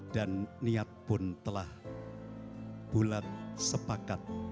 dan niat pun telah bulat sepakat